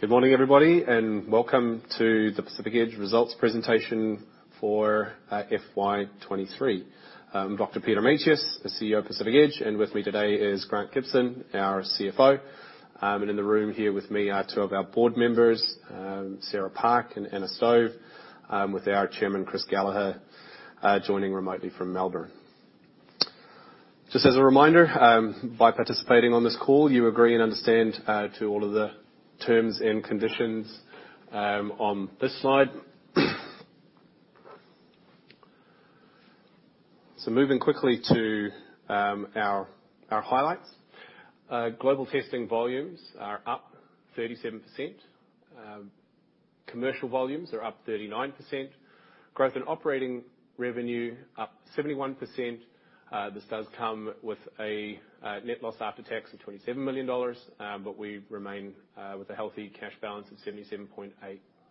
Good morning, everybody, welcome to the Pacific Edge results presentation for FY 2023. Dr. Peter Meintjes, the CEO of Pacific Edge, with me today is Grant Gibson, our CFO. In the room here with me are two of our Board members, Sarah Park and Anna Stove, with our chairman, Chris Gallaher, joining remotely from Melbourne. Just as a reminder, by participating on this call, you agree and understand to all of the terms and conditions on this slide. Moving quickly to our highlights. Global testing volumes are up 37%. Commercial volumes are up 39%. Growth in operating revenue up 71%. This does come with a net loss after tax of 27 million dollars, but we remain with a healthy cash balance of 77.8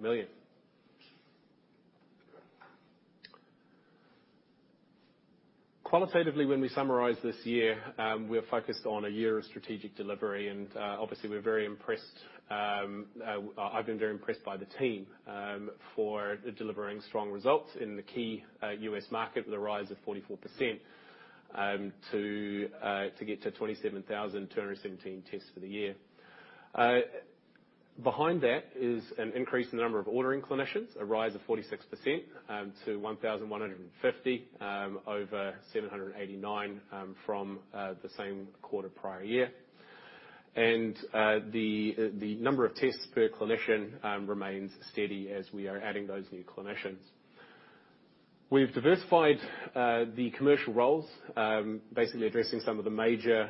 million. Qualitatively, when we summarize this year, we are focused on a year of strategic delivery. Obviously, we're very impressed, I've been very impressed by the team, for delivering strong results in the key U.S. market with a rise of 44%, to get to 27,217 tests for the year. Behind that is an increase in the number of ordering clinicians, a rise of 46%, to 1,150, over 789, from the same quarter prior year. The number of tests per clinician, remains steady as we are adding those new clinicians. We've diversified the commercial roles, basically addressing some of the major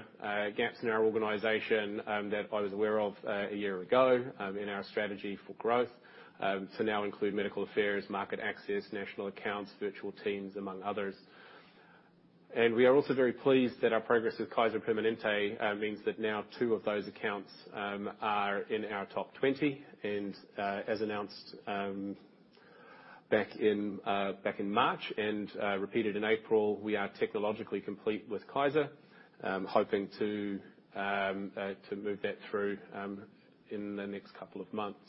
gaps in our organization that I was aware of a year ago in our strategy for growth, to now include Medical Affairs, market access, national accounts, virtual teams, among others. We are also very pleased that our progress with Kaiser Permanente means that now two of those accounts are in our top 20. As announced back in March and repeated in April, we are technologically complete with Kaiser, hoping to move that through in the next couple of months.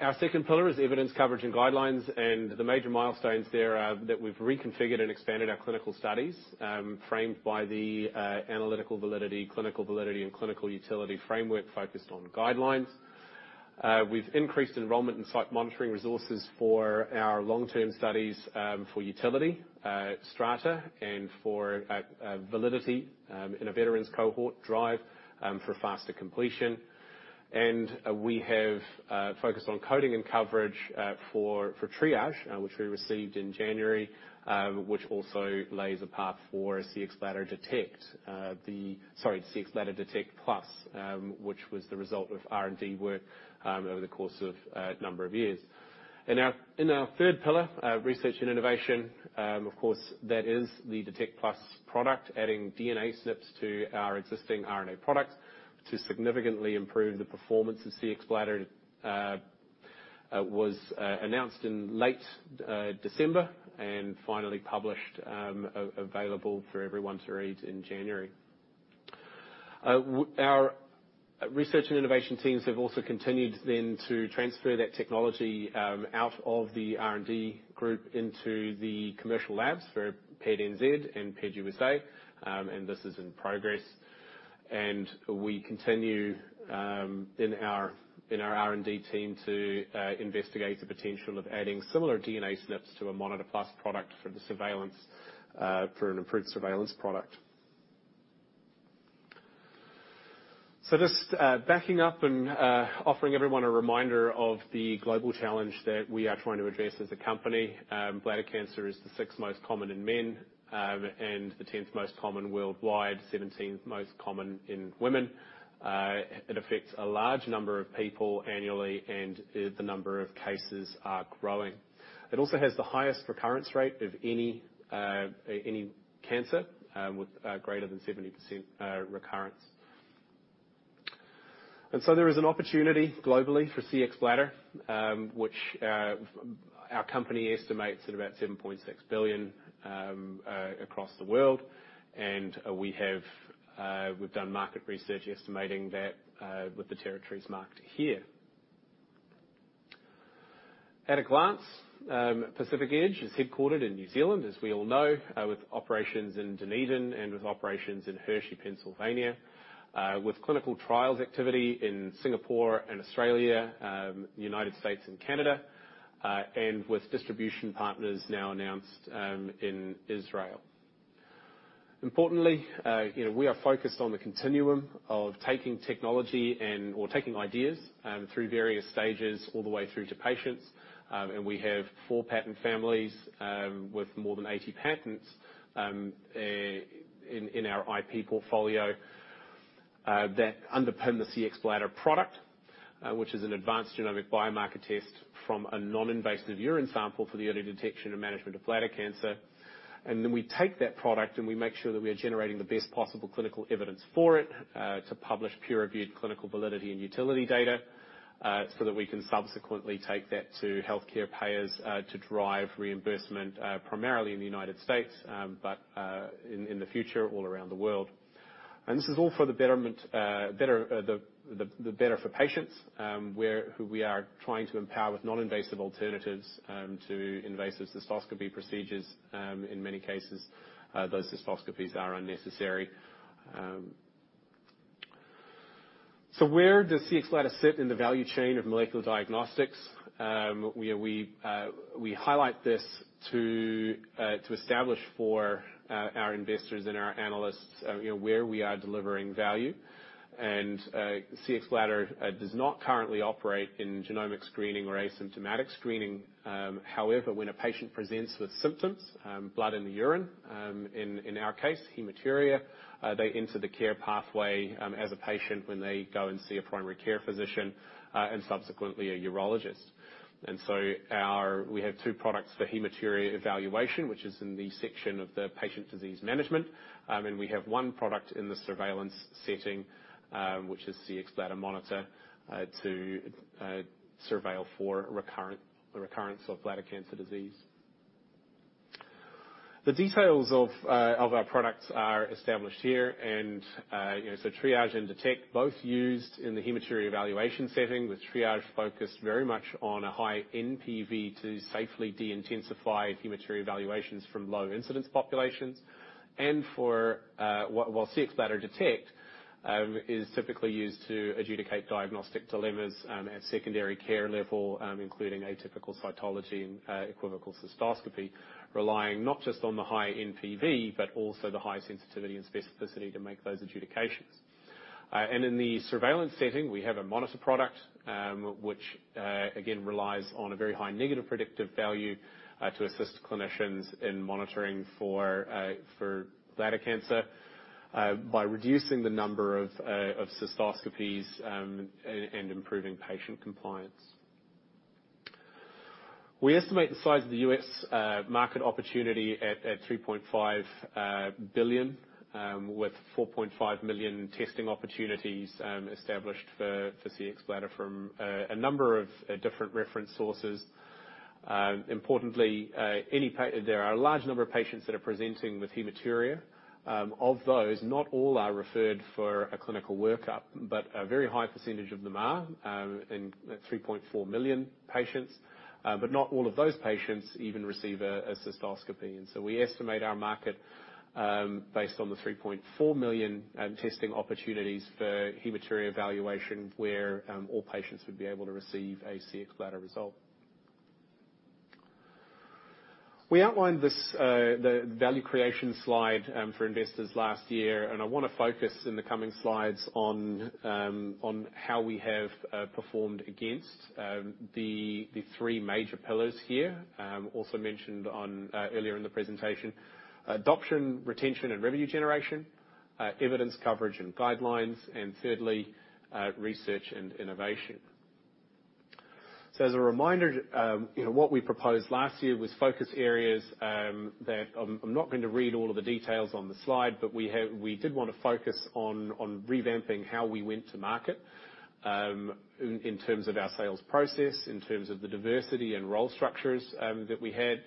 Our second pillar is evidence coverage and guidelines, and the major milestones there are that we've reconfigured and expanded our clinical studies, framed by the Analytical Validity, Clinical Validity, and Clinical Utility framework focused on guidelines. We've increased enrollment in site monitoring resources for our long-term studies, for Utility, STRATA, and for Validity, in a veterans cohort DRIVE, for faster completion. We have focused on coding and coverage for Triage, which we received in January, which also lays a path for Cxbladder Detect. Sorry, Cxbladder Detect+, which was the result of R&D work over the course of a number of years. In our third pillar, research and innovation, of course, that is the Detect+ product, adding DNA SNPs to our existing RNA products to significantly improve the performance of Cxbladder. Was announced in late December and finally published, available for everyone to read in January. Our research and innovation teams have also continued then to transfer that technology out of the R&D group into the commercial labs for PEDNZ and PEDUSA., and this is in progress. We continue in our R&D team to investigate the potential of adding similar DNA SNPs to a Monitor Plus product for the surveillance, for an improved surveillance product. Just backing up and offering everyone a reminder of the global challenge that we are trying to address as a company. Bladder cancer is the sixth most common in men, and the 10th most common worldwide, 17th most common in women. It affects a large number of people annually, and the number of cases are growing. It also has the highest recurrence rate of any cancer, with greater than 70% recurrence. There is an opportunity globally for Cxbladder, which our company estimates at about $7.6 billion across the world. We have we've done market research estimating that with the territories marked here. At a glance, Pacific Edge is headquartered in New Zealand, as we all know, with operations in Dunedin and with operations in Hershey, Pennsylvania. With clinical trials activity in Singapore and Australia, United States, and Canada, and with distribution partners now announced, in Israel. Importantly, you know, we are focused on the continuum of taking technology or taking ideas, through various stages all the way through to patients. We have four patent families, with more than 80 patents, in our IP portfolio, that underpin the Cxbladder product, which is an advanced genomic biomarker test from a non-invasive urine sample for the early detection and management of bladder cancer. We take that product, and we make sure that we are generating the best possible clinical evidence for it to publish peer-reviewed clinical validity and utility data. So that we can subsequently take that to healthcare payers to drive reimbursement primarily in the United States, but in the future, all around the world. This is all for the betterment, better, the better for patients, who we are trying to empower with non-invasive alternatives to invasive cystoscopy procedures. In many cases, those cystoscopies are unnecessary. Where does Cxbladder sit in the value chain of molecular diagnostics? We highlight this to establish for our investors and our analysts, you know, where we are delivering value. Cxbladder does not currently operate in genomic screening or asymptomatic screening. However, when a patient presents with symptoms, blood in the urine, in our case, hematuria, they enter the care pathway as a patient when they go and see a primary care physician and subsequently a urologist. We have two products for hematuria evaluation, which is in the section of the patient disease management. We have one product in the surveillance setting, which is Cxbladder Monitor to surveil for recurrence of bladder cancer disease. The details of our products are established here. You know, Triage and Detect both used in the hematuria evaluation setting, with Triage focused very much on a high NPV to safely de-intensify hematuria evaluations from low incidence populations. For while Cxbladder Detect is typically used to adjudicate diagnostic dilemmas at secondary care level, including atypical cytology and equivocal cystoscopy, relying not just on the high NPV, but also the high sensitivity and specificity to make those adjudications. In the surveillance setting, we have a monitor product, which again, relies on a very high negative predictive value to assist clinicians in monitoring for bladder cancer by reducing the number of cystoscopies and improving patient compliance. We estimate the size of the U.S. market opportunity at $3.5 billion with 4.5 million testing opportunities established for Cxbladder from a number of different reference sources. Importantly, there are a large number of patients that are presenting with hematuria. Of those, not all are referred for a clinical workup, but a very high percentage of them are, and at 3.4 million patients. Not all of those patients even receive a cystoscopy. We estimate our market, based on the 3.4 million testing opportunities for hematuria evaluation, where all patients would be able to receive a Cxbladder result. We outlined this, the value creation slide, for investors last year, and I wanna focus in the coming slides on how we have performed against the three major pillars here. Also mentioned on earlier in the presentation, adoption, retention, and revenue generation, evidence coverage and guidelines, and thirdly, research and innovation. As a reminder, you know, what we proposed last year was focus areas that I'm not going to read all of the details on the slide, but we did want to focus on revamping how we went to market in terms of our sales process, in terms of the diversity and role structures that we had.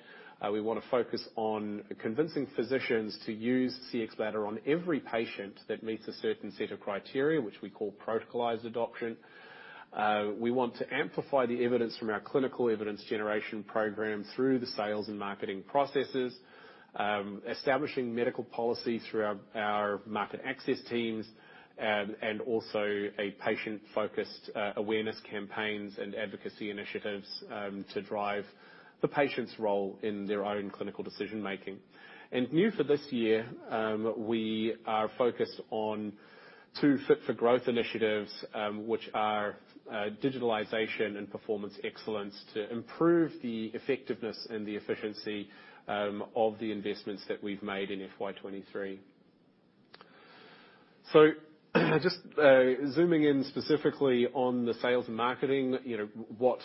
We want to focus on convincing physicians to use Cxbladder on every patient that meets a certain set of criteria, which we call protocolized adoption. We want to amplify the evidence from our clinical evidence generation program through the sales and marketing processes, establishing medical policy through our market access teams, and also a patient-focused awareness campaigns and advocacy initiatives to drive the patient's role in their own clinical decision-making. New for this year, we are focused on two Fit for Growth initiatives, which are digitalization and performance excellence to improve the effectiveness and the efficiency of the investments that we've made in FY 2023. Just zooming in specifically on the sales and marketing, you know, what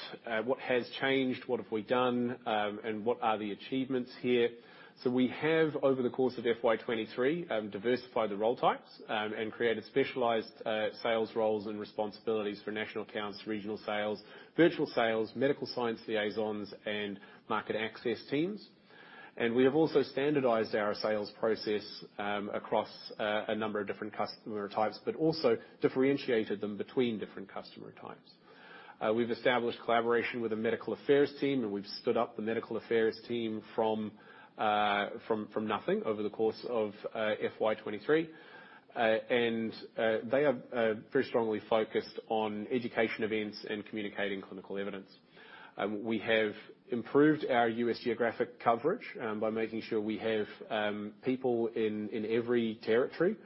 has changed? What have we done? What are the achievements here? We have, over the course of FY 2023, diversified the role types and created specialized sales roles and responsibilities for national accounts, regional sales, virtual sales, Medical Science Liaisons, and market access teams. We have also standardized our sales process across a number of different customer types, but also differentiated them between different customer types. We've established collaboration with the Medical Affairs Team, and we've stood up the Medical Affairs Team from nothing over the course of FY 2023. They are very strongly focused on education events and communicating clinical evidence. We have improved our U.S. geographic coverage by making sure we have people in every territory.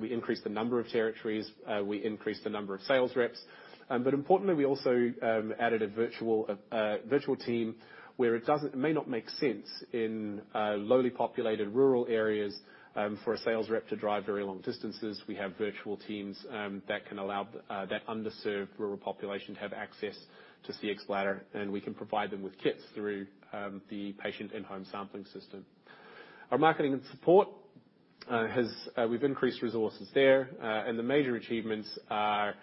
We increased the number of territories, we increased the number of sales reps. Importantly, we also added a virtual team where it may not make sense in lowly populated rural areas for a sales rep to drive very long distances. We have virtual teams that can allow that underserved rural population to have access to Cxbladder, and we can provide them with kits through the patient in-home sampling system. Our marketing and support, we've increased resources there. The major achievements are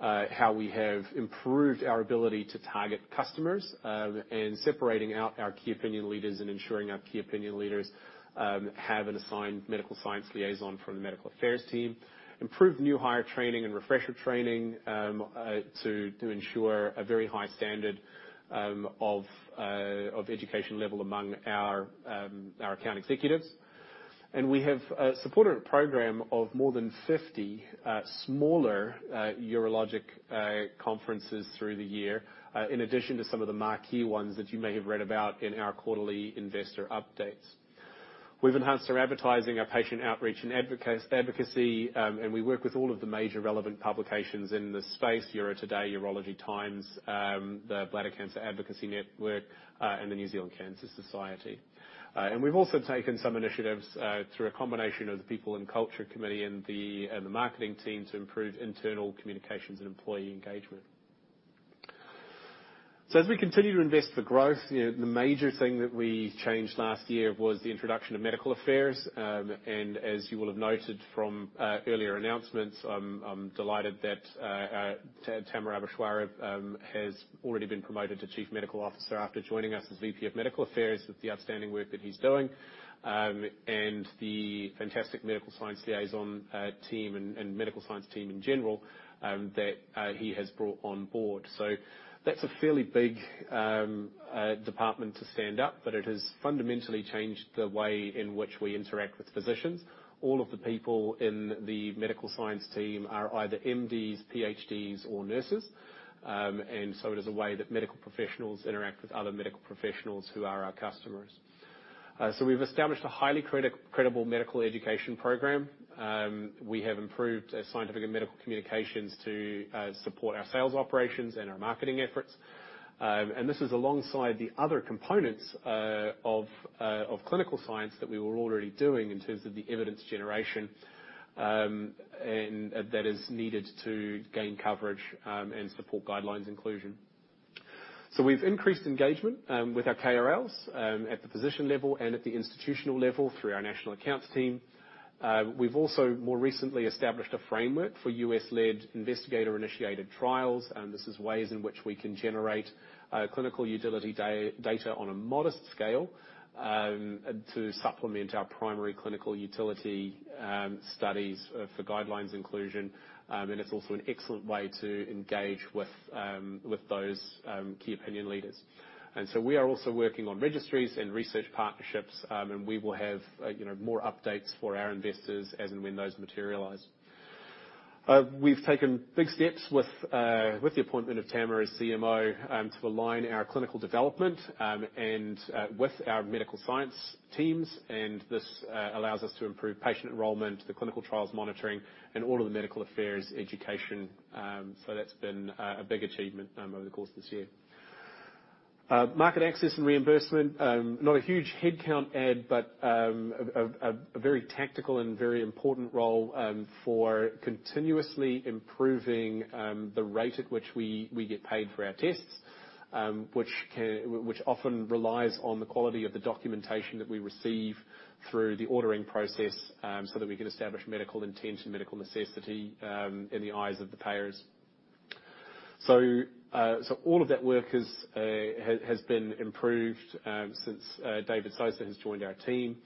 how we have improved our ability to target customers, and separating out our Key Opinion Leaders and ensuring our Key Opinion Leaders have an assignedMedical Science Liaison from the Medical Affairs Team. Improved new hire training and refresher training to ensure a very high standard of education level among our account executives. We have supported a program of more than 50 smaller urologic conferences through the year, in addition to some of the marquee ones that you may have read about in our quarterly investor updates. We've enhanced our advertising, our patient outreach, and advocacy, and we work with all of the major relevant publications in this space, UroToday, Urology Times, the Bladder Cancer Advocacy Network, and the New Zealand Cancer Society. We've also taken some initiatives through a combination of the People & Culture Committee and the Marketing team to improve internal communications and employee engagement. As we continue to invest for growth, you know, the major thing that we changed last year was the introduction of Medical Affairs. As you will have noted from earlier announcements, I'm delighted that Tamer Aboushwareb has already been promoted to Chief Medical Officer after joining us as VP of Medical Affairs with the outstanding work that he's doing. The fantastic Medical Science Liaison team and Medical Science team in general that he has brought on board. That's a fairly big department to stand up, but it has fundamentally changed the way in which we interact with physicians. All of the people in the Medical Science team are either MDs, PhDs, or nurses. It is a way that medical professionals interact with other medical professionals who are our customers. We've established a highly credible medical education program. We have improved scientific and medical communications to support our sales operations and our marketing efforts. This is alongside the other components of clinical science that we were already doing in terms of the evidence generation, and that is needed to gain coverage and support guidelines inclusion. We've increased engagement with our KOLs at the physician level and at the institutional level through our national accounts team. We've also more recently established a framework for U.S.-led investigator-initiated trials, this is ways in which we can generate clinical utility data on a modest scale to supplement our primary clinical utility studies for guidelines inclusion. It's also an excellent way to engage with those Key Opinion Leaders. We are also working on registries and research partnerships, and we will have, you know, more updates for our investors as and when those materialize. We've taken big steps with the appointment of Tamer as CMO, to align our clinical development, and with our Medical Science teams, and this allows us to improve patient enrollment, the clinical trials monitoring, and all of the Medical Affairs education. That's been a big achievement over the course of this year. Market access and reimbursement, not a huge headcount add, but a very tactical and very important role for continuously improving the rate at which we get paid for our tests, which often relies on the quality of the documentation that we receive through the ordering process, so that we can establish medical intent and medical necessity in the eyes of the payers. All of that work is has been improved since David Soya has joined our team.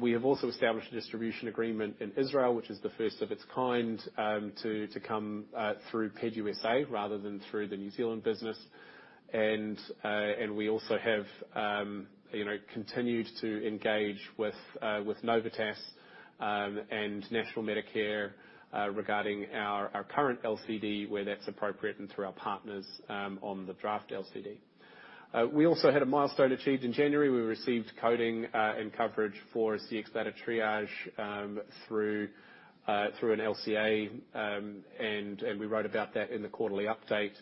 We have also established a distribution agreement in Israel, which is the first of its kind to come through PEDUSA rather than through the New Zealand business. We also have, you know, continued to engage with Novitas and National Medicare regarding our current LCD, where that's appropriate, and through our partners on the draft LCD. We also had a milestone achieved in January. We received coding and coverage for Cxbladder Triage through an LCA. We wrote about that in the quarterly update.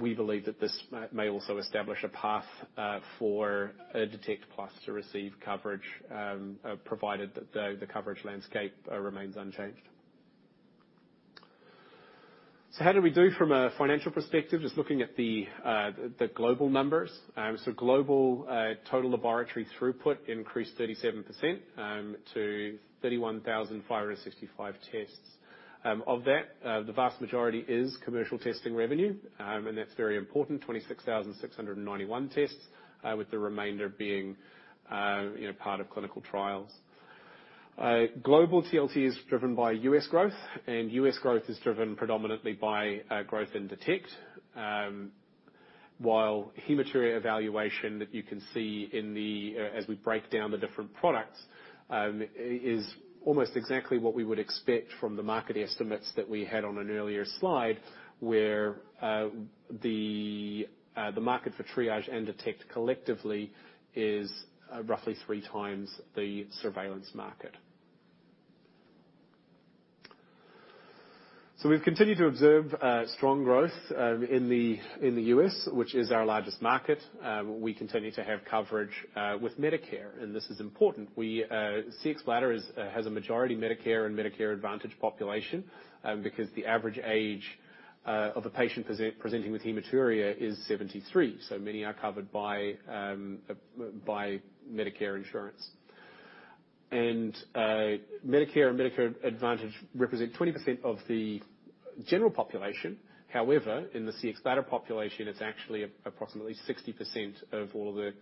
We believe that this may also establish a path Detect+ to receive coverage, provided that the coverage landscape remains unchanged. How did we do from a financial perspective, just looking at the global numbers? Global total laboratory throughput increased 37% to 31,565 tests. Of that, the vast majority is commercial testing revenue, that's very important, 26,691 tests, with the remainder being, you know, part of clinical trials. Global TLT is driven by U.S. growth, U.S. growth is driven predominantly by growth in Detect. While hematuria evaluation that you can see in the, as we break down the different products, is almost exactly what we would expect from the market estimates that we had on an earlier slide, where the market for Triage and Detect collectively is roughly three times the surveillance market. We've continued to observe strong growth in the U.S., which is our largest market. We continue to have coverage with Medicare, this is important. We Cxbladder is has a majority Medicare and Medicare Advantage population because the average age of a patient presenting with hematuria is 73, so many are covered by Medicare insurance. Medicare and Medicare Advantage represent 20% of the general population. However, in the Cxbladder population, it's actually approximately 60% of all the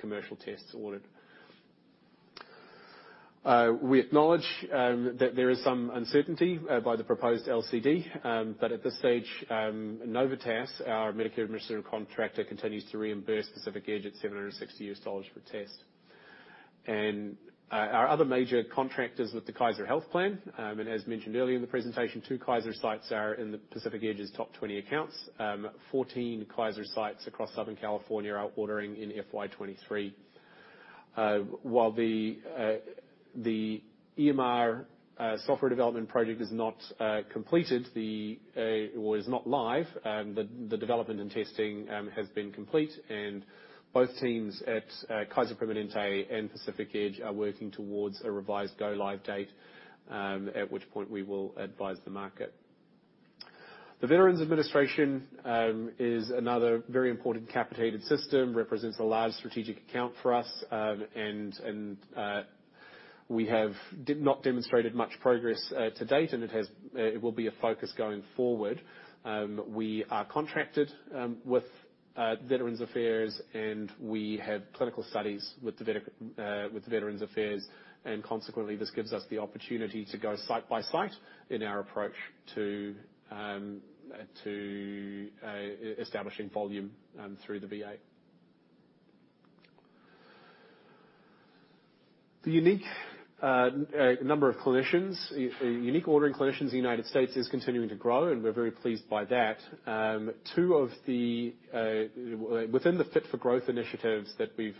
commercial tests ordered. We acknowledge that there is some uncertainty by the proposed LCD, but at this stage, Novitas, our Medicare administrative contractor, continues to reimburse Pacific Edge at $760 per test. Our other major contract is with the Kaiser Health plan. As mentioned earlier in the presentation, two Kaiser sites are in the Pacific Edge's top 20 accounts. 14 Kaiser sites across Southern California are ordering in FY 2023. While the EMR software development project is not completed, or is not live, the development and testing has been complete, and both teams at Kaiser Permanente and Pacific Edge are working towards a revised go-live date, at which point we will advise the market. The Veterans Administration is another very important capitated system, represents a large strategic account for us. We have not demonstrated much progress to date, and it will be a focus going forward. We are contracted with Veterans Affairs, and we have clinical studies with the Veterans Affairs, and consequently, this gives us the opportunity to go site by site in our approach to establishing volume through the VA. The unique number of clinicians, unique ordering clinicians in the United States is continuing to grow, and we're very pleased by that. Two of the within the Fit for Growth initiatives that we've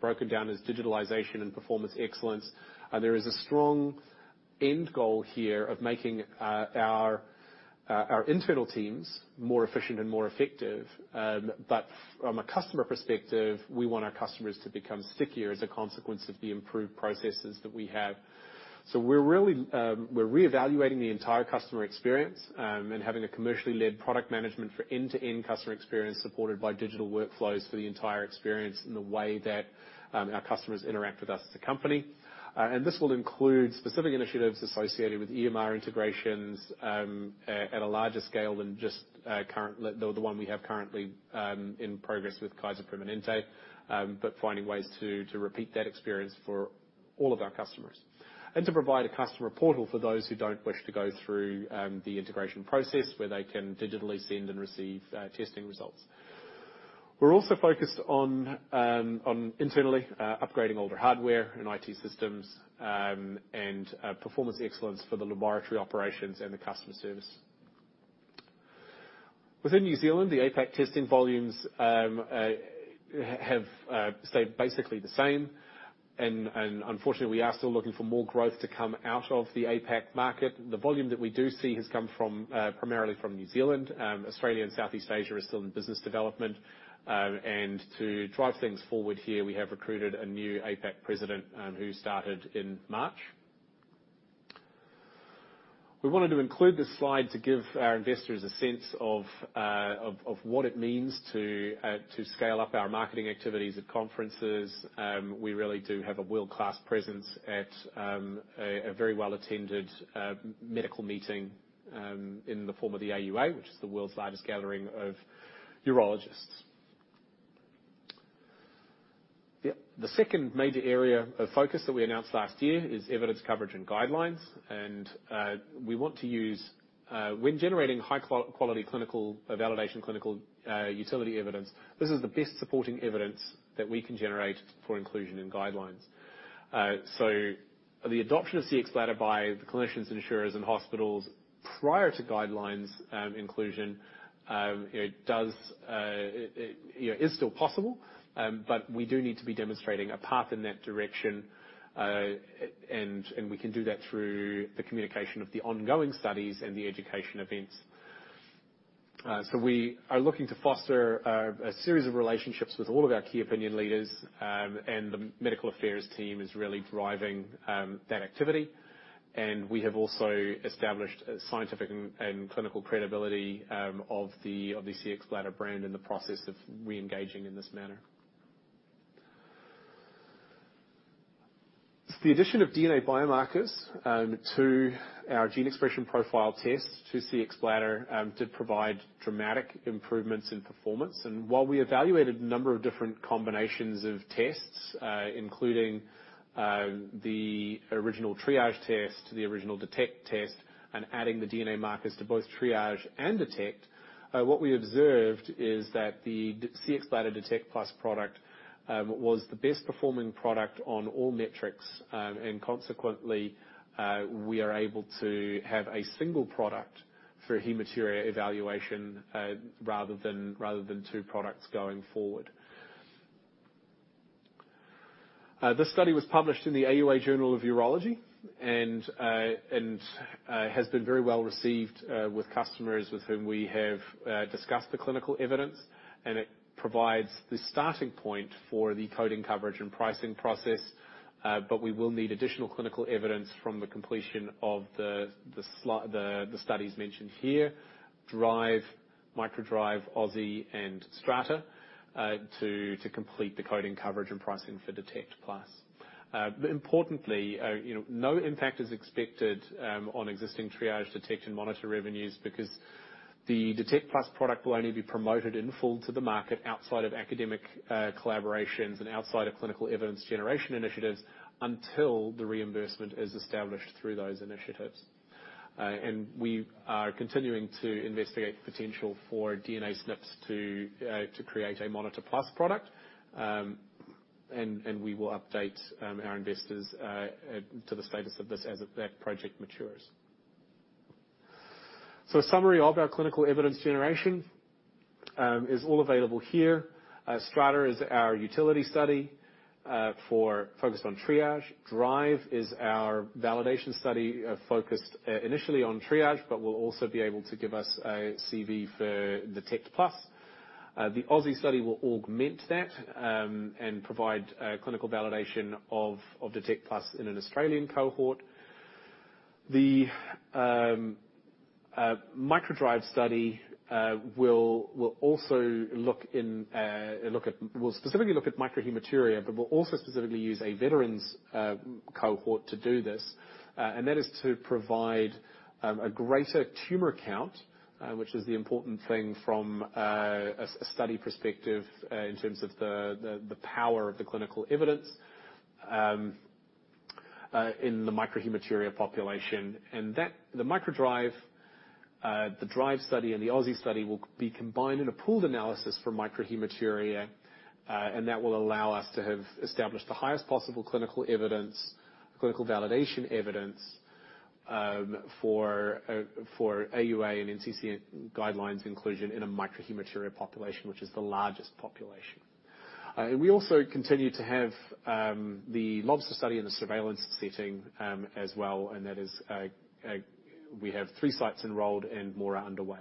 broken down as digitalization and performance excellence, and there is a strong end goal here of making our internal teams more efficient and more effective. From a customer perspective, we want our customers to become stickier as a consequence of the improved processes that we have. We're really, we're reevaluating the entire customer experience, and having a commercially led product management for end-to-end customer experience supported by digital workflows for the entire experience in the way that our customers interact with us as a company. This will include specific initiatives associated with EMR integrations at a larger scale than just the one we have currently in progress with Kaiser Permanente, but finding ways to repeat that experience for all of our customers. To provide a customer portal for those who don't wish to go through the integration process, where they can digitally send and receive testing results. We're also focused internally upgrading older hardware and IT systems, and performance excellence for the laboratory operations and the customer service. Within New Zealand, the APAC testing volumes have stayed basically the same. Unfortunately, we are still looking for more growth to come out of the APAC market. The volume that we do see has come primarily from New Zealand. Australia and Southeast Asia are still in business development. To drive things forward here, we have recruited a new APAC president who started in March. We wanted to include this slide to give our investors a sense of what it means to scale up our marketing activities at conferences. We really do have a world-class presence at a very well-attended medical meeting in the form of the AUA, which is the world's largest gathering of urologists. The second major area of focus that we announced last year is evidence coverage and guidelines. We want to use when generating high quality clinical validation clinical utility evidence, this is the best supporting evidence that we can generate for inclusion in guidelines. The adoption of Cxbladder by the clinicians, insurers, and hospitals prior to guidelines, inclusion, you know, is still possible, but we do need to be demonstrating a path in that direction. We can do that through the communication of the ongoing studies and the education events. We are looking to foster a series of relationships with all of our Key Opinion Leaders, and the Medical Affairs Team is really driving that activity. We have also established a scientific and clinical credibility of the Cxbladder brand in the process of re-engaging in this manner. The addition of DNA biomarkers to our gene expression profile test to Cxbladder did provide dramatic improvements in performance. While we evaluated a number of different combinations of tests, including, the original Triage test, the original Detect test, and adding the DNA markers to both Triage and Detect, what we observed is that the Cxbladder Detect+ product was the best performing product on all metrics. Consequently, we are able to have a single product for hematuria evaluation, rather than two products going forward. This study was published in the AUA Journal of Urology and has been very well received with customers with whom we have discussed the clinical evidence. It provides the starting point for the coding coverage and pricing process, but we will need additional clinical evidence from the completion of the studies mentioned here, DRIVE, microDRIVE, AUSSIE, and STRATA, to complete the coding coverage and pricing for Detect+. Importantly, you know, no impact is expected on existing Triage detection monitor revenues because the Detect+ product will only be promoted in full to the market outside of academic collaborations and outside of clinical evidence generation initiatives until the reimbursement is established through those initiatives. We are continuing to investigate the potential for DNA SNPs to create a Monitor Plus product. We will update our investors to the status of this as that project matures. A summary of our clinical evidence generation is all available here. STRATA is our utility study for focused on Triage. DRIVE is our validation study focused initially on Triage, but will also be able to give us a CV for Detect+. The AUSSIE study will augment that and provide clinical validation of Detect+ in an Australian cohort. The microDRIVE study will also specifically look at microhematuria, but will also specifically use a veterans cohort to do this. That is to provide a greater tumor count, which is the important thing from a study perspective, in terms of the power of the clinical evidence, in the microhematuria population. That, the microDRIVE, the DRIVE study, and the AUSSIE study will be combined in a pooled analysis for microhematuria, and that will allow us to have established the highest possible clinical evidence, clinical validation evidence, for AUA and NCC guidelines inclusion in a microhematuria population, which is the largest population. We also continue to have the LOBSTER study in a surveillance setting as well, that is, we have three sites enrolled and more are underway.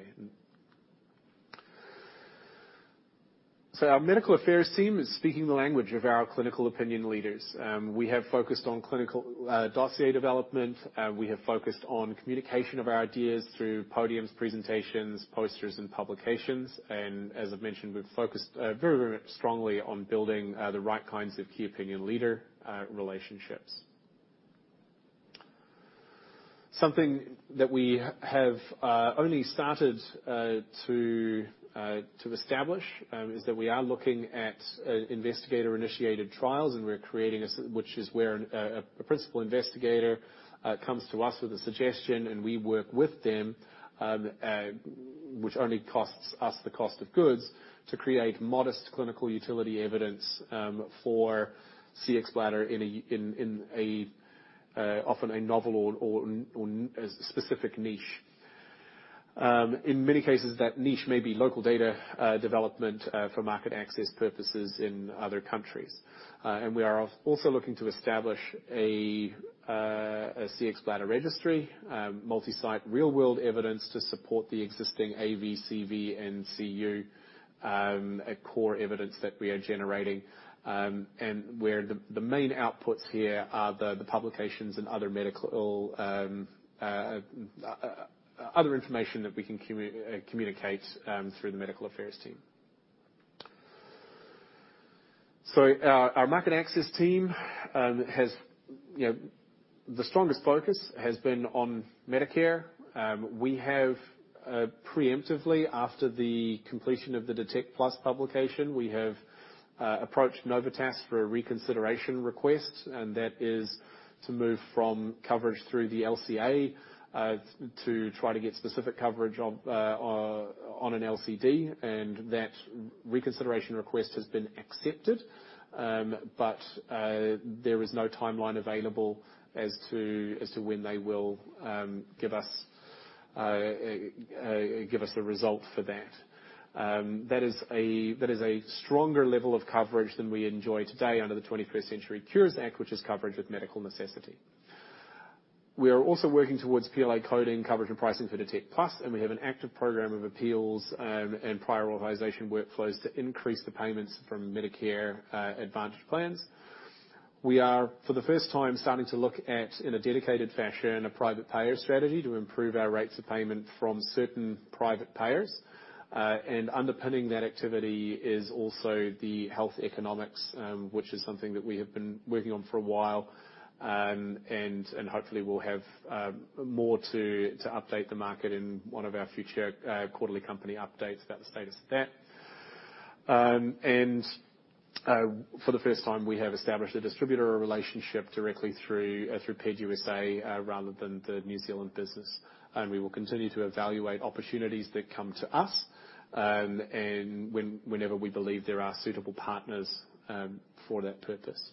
Our Medical Affairs Team is speaking the language of our clinical opinion leaders. We have focused on Clinical Dossier development, we have focused on communication of our ideas through podiums, presentations, posters, and publications. As I've mentioned, we've focused very, very strongly on building the right kinds of Key Opinion Leader relationships. Something that we have only started to establish is that we are looking at investigator-initiated trials, and we're creating which is where a principal investigator comes to us with a suggestion, and we work with them, which only costs us the cost of goods to create modest clinical utility evidence for Cxbladder in a often a novel or specific niche. In many cases, that niche may be local data development for market access purposes in other countries. We are also looking to establish a Cxbladder registry, multi-site real world evidence to support the existing AV, CV, and CU, core evidence that we are generating, and where the main outputs here are the publications and other medical, other information that we can communicate through the Medical Affairs Team. Our market access team has, you know, the strongest focus has been on Medicare. We have preemptively, after the completion of the Detect+ publication, we have approached Novitas for a reconsideration request, and that is to move from coverage through the LCA to try to get specific coverage on an LCD. That reconsideration request has been accepted, but there is no timeline available as to when they will give us a result for that. That is a stronger level of coverage than we enjoy today under the 21st Century Cures Act, which is coverage of medical necessity. We are also working towards PLA coding, coverage and pricing for Detect+, and we have an active program of appeals and prior authorization workflows to increase the payments from Medicare Advantage plans. We are, for the first time, starting to look at, in a dedicated fashion, a private payer strategy to improve our rates of payment from certain private payers. Underpinning that activity is also the health economics, which is something that we have been working on for a while, and hopefully we'll have more to update the market in one of our future quarterly company updates about the status of that. For the first time, we have established a distributor relationship directly through PEDUSA, rather than the New Zealand business. We will continue to evaluate opportunities that come to us, and whenever we believe there are suitable partners for that purpose.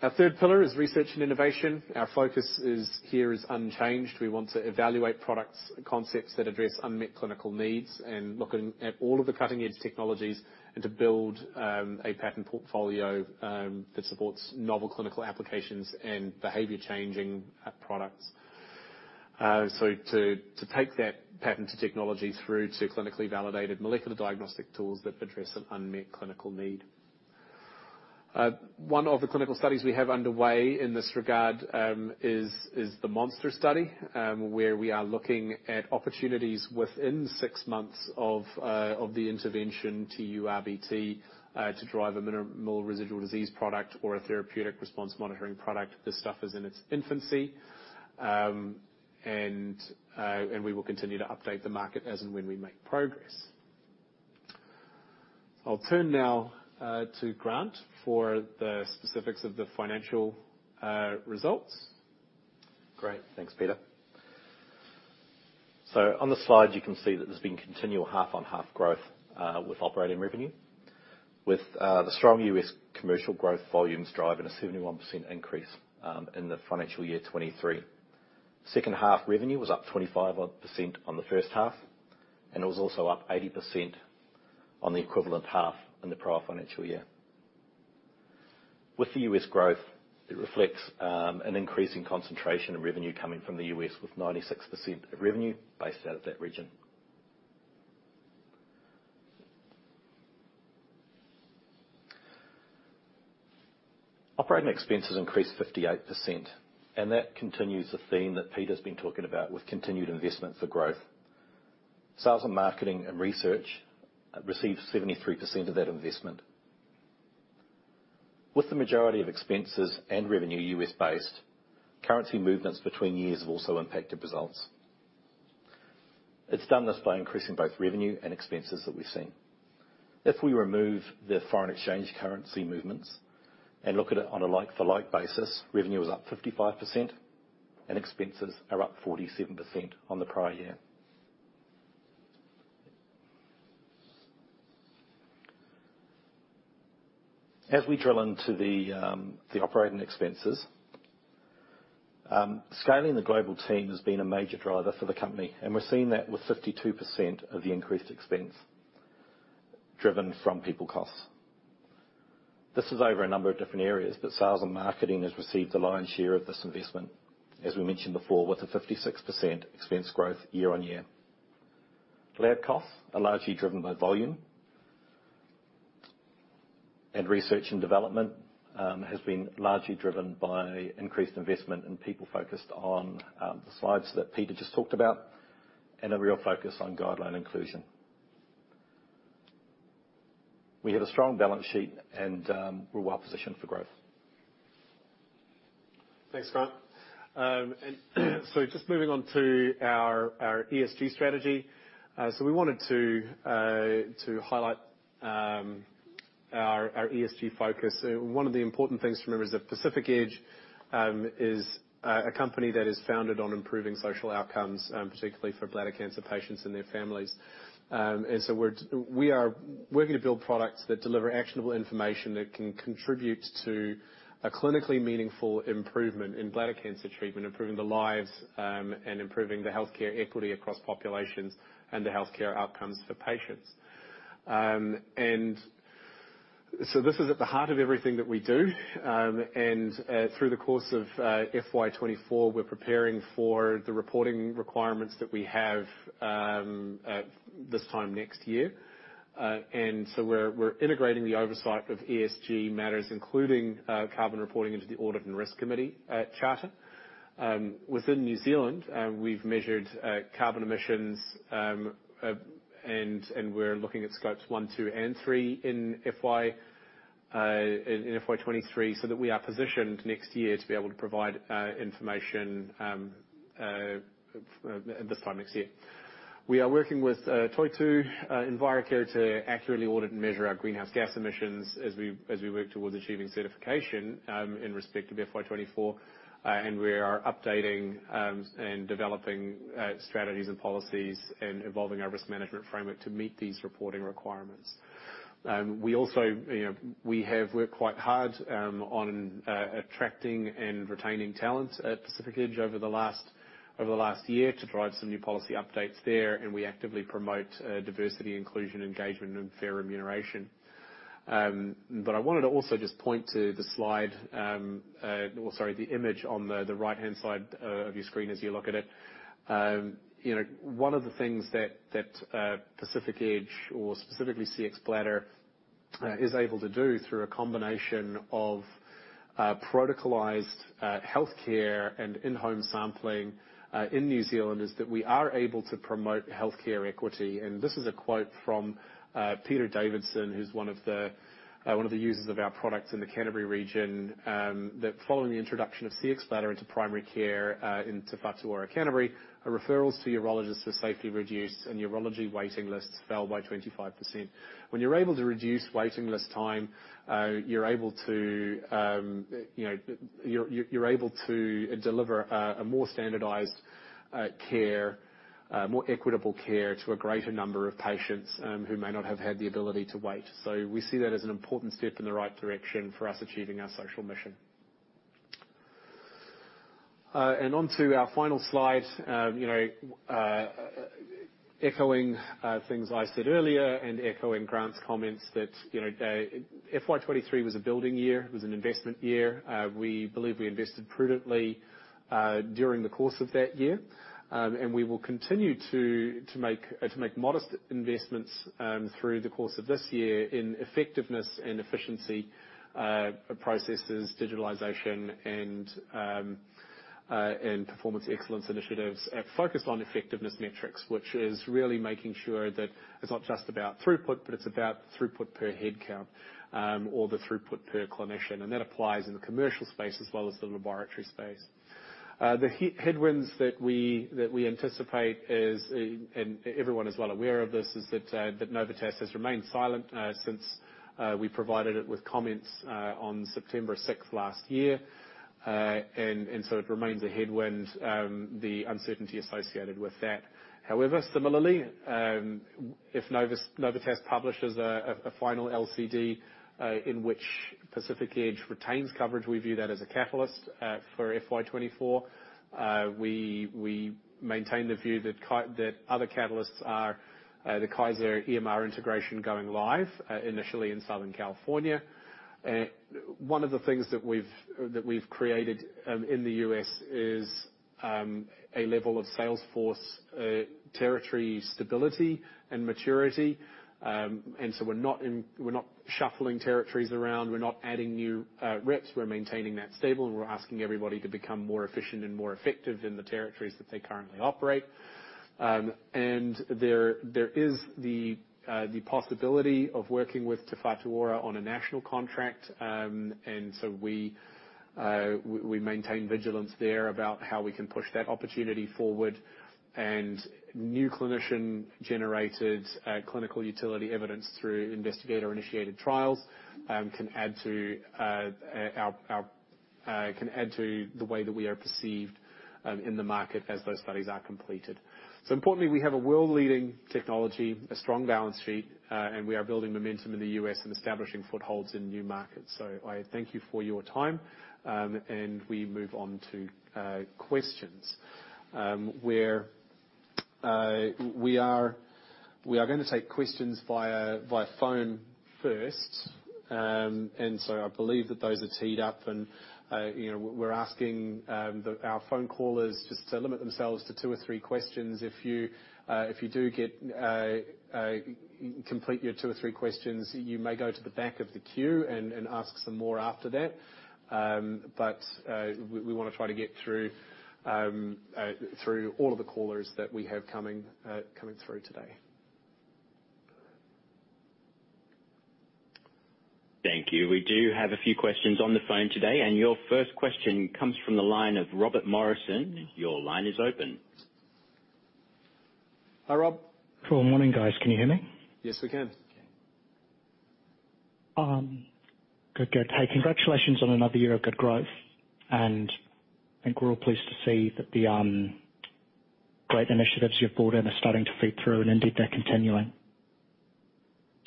Our third pillar is research and innovation. Our focus is, here is unchanged. We want to evaluate products, concepts that address unmet clinical needs and looking at all of the cutting-edge technologies, and to build a patent portfolio that supports novel clinical applications and behavior-changing products. To take that patented technology through to clinically validated molecular diagnostic tools that address an unmet clinical need. One of the clinical studies we have underway in this regard, is the MONSTER study, where we are looking at opportunities within six months of the intervention to TURBT, to drive a minimal residual disease product or a therapeutic response monitoring product. This stuff is in its infancy. We will continue to update the market as and when we make progress. I'll turn now to Grant for the specifics of the financial results. Great. Thanks, Peter. On the slide, you can see that there's been continual half-on-half growth, with operating revenue, with the strong U.S. commercial growth volumes driving a 71% increase in the financial year 2023. Second half revenue was up 25%-odd on the first half, and it was also up 80% on the equivalent half in the prior financial year. With the U.S. growth, it reflects an increasing concentration of revenue coming from the U.S., with 96% of revenue based out of that region. Operating expenses increased 58%, and that continues the theme that Peter's been talking about with continued investment for growth. Sales and marketing and research received 73% of that investment. With the majority of expenses and revenue U.S.-based, currency movements between years have also impacted results. It's done this by increasing both revenue and expenses that we've seen. If we remove the foreign exchange currency movements and look at it on a like-for-like basis, revenue is up 55% and expenses are up 47% on the prior year. As we drill into the operating expenses, scaling the global team has been a major driver for the company, and we're seeing that with 52% of the increased expense driven from people costs. This is over a number of different areas, sales and marketing has received the lion's share of this investment, as we mentioned before, with a 56% expense growth year-over-year. Lab costs are largely driven by volume. Research and development has been largely driven by increased investment in people focused on, the slides that Peter just talked about, and a real focus on guideline inclusion. We have a strong balance sheet and, we're well positioned for growth. Thanks, Grant. Just moving on to our ESG strategy. We wanted to highlight our ESG focus. One of the important things to remember is that Pacific Edge is a company that is founded on improving social outcomes, particularly for bladder cancer patients and their families. We are working to build products that deliver actionable information that can contribute to a clinically meaningful improvement in bladder cancer treatment, improving the lives, and improving the healthcare equity across populations and the healthcare outcomes for patients. This is at the heart of everything that we do. Through the course of FY 2024, we're preparing for the reporting requirements that we have this time next year. We're integrating the oversight of ESG matters, including carbon reporting into the audit and risk committee charter. Within New Zealand, we've measured carbon emissions, and we're looking at scopes one, two, and three in FY 2023, so that we are positioned next year to be able to provide information this time next year. We are working with Toitū Envirocare to accurately audit and measure our greenhouse gas emissions as we work towards achieving certification in respect of FY 2024. We are updating and developing strategies and policies and evolving our risk management framework to meet these reporting requirements. We also, you know, we have worked quite hard on attracting and retaining talent at Pacific Edge over the last year to drive some new policy updates there. We actively promote diversity, inclusion, engagement, and fair remuneration. I wanted to also just point to the slide, or sorry, the image on the right-hand side of your screen as you look at it. You know, one of the things that Pacific Edge or specifically Cxbladder is able to do through a combination of protocolized healthcare and in-home sampling in New Zealand, is that we are able to promote healthcare equity. This is a quote from Peter Davidson, who's one of the users of our products in the Canterbury region. That following the introduction of Cxbladder into primary care, into Te Whatu Ora, Canterbury, referrals to urologists are safely reduced and urology waiting lists fell by 25%. When you're able to reduce waiting list time, you're able to, you know, you're able to deliver a more standardized care, more equitable care to a greater number of patients, who may not have had the ability to wait. We see that as an important step in the right direction for us achieving our social mission. Onto our final slide, you know, echoing things I said earlier and echoing Grant's comments that, you know, FY 2023 was a building year. It was an investment year. We believe we invested prudently during the course of that year. We will continue to make modest investments through the course of this year in effectiveness and efficiency processes, digitalization, and performance excellence initiatives are focused on effectiveness metrics, which is really making sure that it's not just about throughput, but it's about throughput per headcount or the throughput per clinician. That applies in the commercial space as well as the laboratory space. The headwinds that we anticipate is, and everyone is well aware of this, is that Novitas has remained silent since we provided it with comments on September 6th last year. It remains a headwind, the uncertainty associated with that. Similarly, if Novitas publishes a final LCD, in which Pacific Edge retains coverage, we view that as a catalyst for FY 2024. We maintain the view that other catalysts are the Kaiser EMR integration going live, initially in Southern California. One of the things that we've, that we've created in the U.S. is a level of sales force, territory stability and maturity. We're not shuffling territories around, we're not adding new reps. We're maintaining that stable, and we're asking everybody to become more efficient and more effective in the territories that they currently operate. There, there is the possibility of working with Te Whatu Ora on a national contract, and so we maintain vigilance there about how we can push that opportunity forward. New clinician-generated clinical utility evidence through investigator-initiated trials, can add to our, can add to the way that we are perceived in the market as those studies are completed. Importantly, we have a world-leading technology, a strong balance sheet, and we are building momentum in the U.S. and establishing footholds in new markets. I thank you for your time, and we move on to questions. We are going to take questions via phone first. I believe that those are teed up and, you know, we're asking our phone callers just to limit themselves to two or three questions. If you do complete your two or three questions, you may go to the back of the queue and ask some more after that. We want to try to get through all of the callers that we have coming through today. Thank you. We do have a few questions on the phone today. Your first question comes from the line of Robert Morrison. Your line is open. Hi, Rob. Good morning, guys. Can you hear me? Yes, we can. Good, good. Hey, congratulations on another year of good growth. I think we're all pleased to see that the great initiatives you've brought in are starting to feed through, and indeed they're continuing.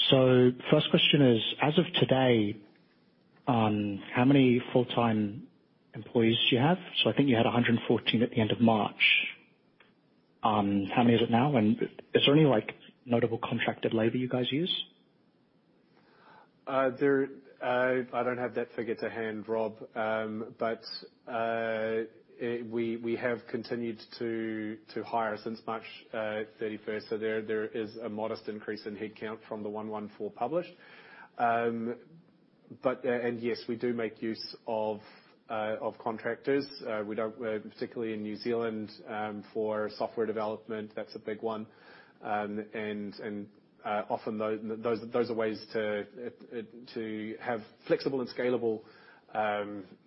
First question is, as of today, how many full-time employees do you have? I think you had 114 at the end of March. How many is it now? Is there any, like, notable contracted labor you guys use? There. I don't have that figure to hand, Rob. We have continued to hire since March 31st. There is a modest increase in headcount from the 114 published. Yes, we do make use of contractors. We don't particularly in New Zealand for software development, that's a big one. Often those are ways to have flexible and scalable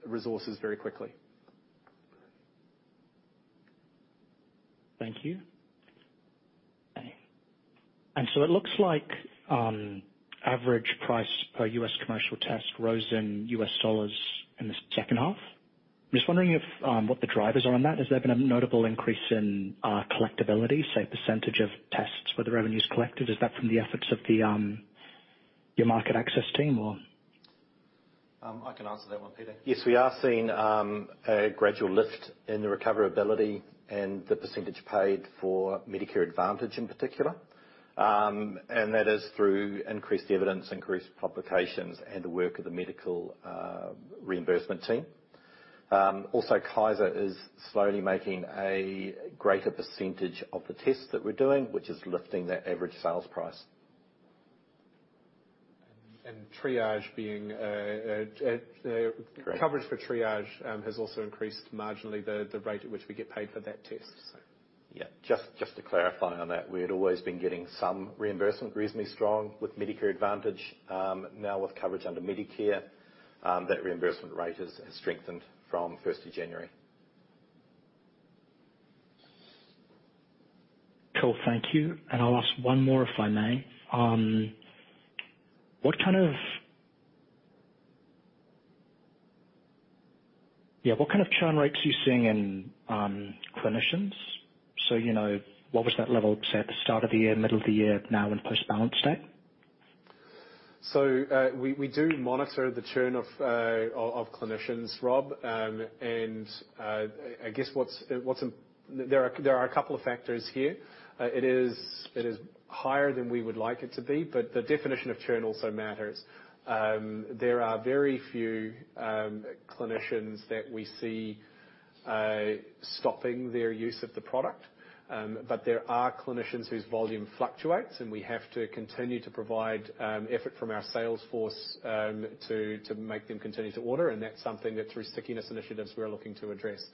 resources very quickly. Thank you. It looks like average price per U.S. commercial test rose in U.S. dollars in the second half. I'm just wondering if what the drivers are on that? Has there been a notable increase in collectability, say, percentage of tests where the revenue is collected? Is that from the efforts of the your market access team or? I can answer that one, Peter. Yes, we are seeing a gradual lift in the recoverability and the percentage paid for Medicare Advantage in particular. That is through increased evidence, increased publications, and the work of the medical reimbursement team. Also, Kaiser is slowly making a greater percentage of the tests that we're doing, which is lifting their average sales price. Triage being. Correct. Coverage for Triage, has also increased marginally the rate at which we get paid for that test, so. Yeah, just to clarify on that, we had always been getting some reimbursement, reasonably strong with Medicare Advantage. Now with coverage under Medicare, that reimbursement rate has strengthened from first of January. Cool, thank you. I'll ask one more, if I may. What kind of churn rates are you seeing in clinicians? You know, what was that level, say, at the start of the year, middle of the year, now and post-balance date? We do monitor the churn of clinicians, Rob. I guess there are a couple of factors here. It is higher than we would like it to be, but the definition of churn also matters. There are very few clinicians that we see Stopping their use of the product. There are clinicians whose volume fluctuates, and we have to continue to provide effort from our sales force to make them continue to order. That's something that through stickiness initiatives we are looking to address.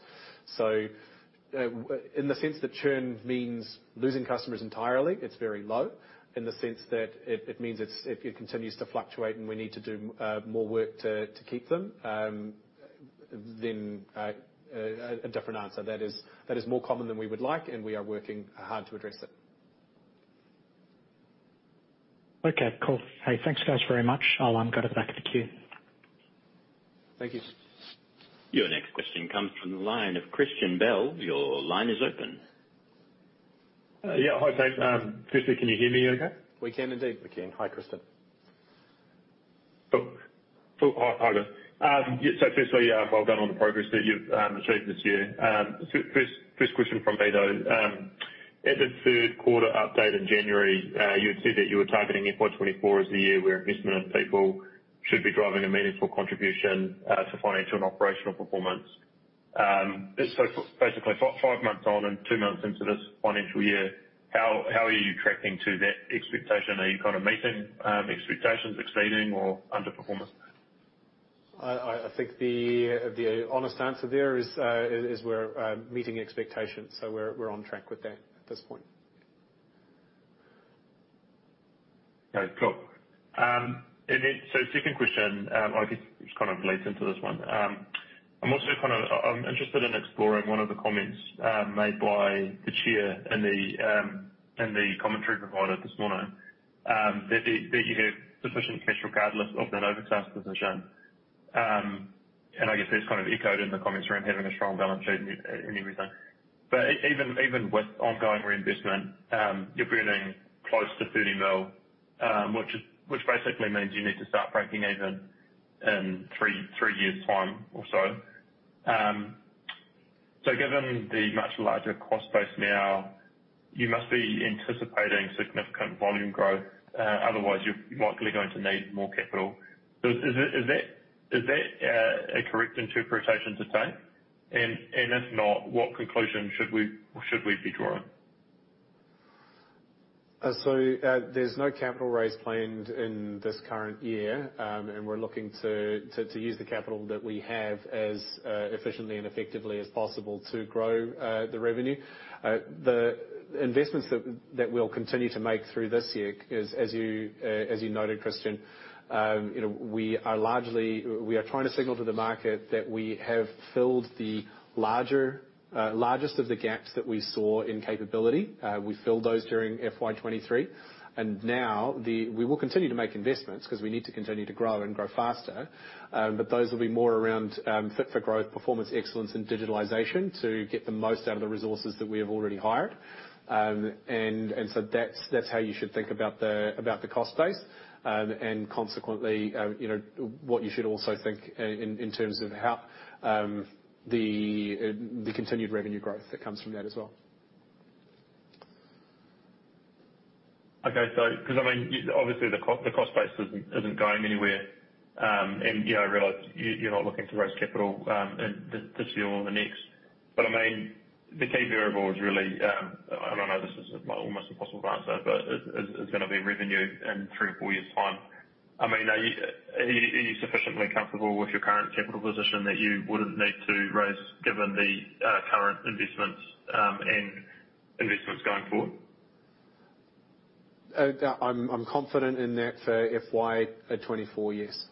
In the sense that churn means losing customers entirely, it's very low. In the sense that it means it continues to fluctuate and we need to do more work to keep them, then a different answer. That is more common than we would like. We are working hard to address it. Okay, cool. Hey, thanks guys, very much. I'll go to the back of the queue. Thank you. Your next question comes from the line of Christian Bell. Your line is open. Yeah. Hi guys. Firstly, can you hear me okay? We can indeed. We can. Hi, Christian. Hi. Hi, guys. Firstly, well done on the progress that you've achieved this year. First question from me, though. At the third quarter update in January, you had said that you were targeting FY 2024 as the year where investment and people should be driving a meaningful contribution, to financial and operational performance. Basically five months on and two months into this financial year, how are you tracking to that expectation? Are you kind of meeting, expectations, exceeding, or underperforming? I think the honest answer there is we're meeting expectations. We're on track with that at this point. Okay, cool. Second question, I guess which kind of leads into this one. I'm also interested in exploring one of the comments made by the chair in the commentary provided this morning that you have sufficient cash regardless of Novitas' position. I guess that's kind of echoed in the comments around having a strong balance sheet in everything. Even with ongoing reinvestment, you're burning close to 30 million, which basically means you need to start breaking even in three years' time or so. Given the much larger cost base now, you must be anticipating significant volume growth, otherwise you're likely going to need more capital. Is that a correct interpretation to take? If not, what conclusion should we be drawing? So, there's no capital raise planned in this current year, and we're looking to use the capital that we have as efficiently and effectively as possible to grow the revenue. The investments that we'll continue to make through this year is, as you, as you noted, Christian, you know, we are trying to signal to the market that we have filled the larger, largest of the gaps that we saw in capability. We filled those during FY 2023. Now we will continue to make investments because we need to continue to grow and grow faster. But those will be more around Fit for Growth, performance excellence, and digitalization to get the most out of the resources that we have already hired. That's how you should think about the cost base. You know, what you should also think in terms of how the continued revenue growth that comes from that as well. Okay. Because, I mean, obviously the cost base isn't going anywhere. You know, I realize you're not looking to raise capital in this year or the next. I mean, the key variable is really, and I know this is an almost impossible to answer, but is gonna be revenue in three to four years' time. I mean, are you sufficiently comfortable with your current capital position that you wouldn't need to raise given the current investments, and investments going forward? I'm confident in that for FY 2024, yes.